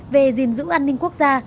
về gìn giữ an ninh quốc gia